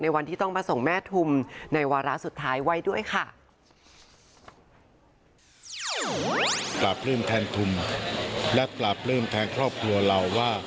วันที่ต้องมาส่งแม่ทุมในวาระสุดท้ายไว้ด้วยค่ะ